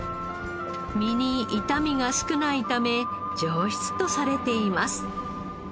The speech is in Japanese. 身に傷みが少ないため上質とされています。